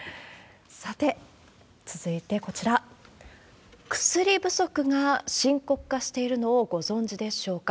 さて、続いてこちら、薬不足が深刻化しているのをご存じでしょうか？